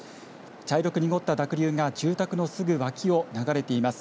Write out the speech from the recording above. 茶色く濁った濁流が住宅のすぐ脇を流れています。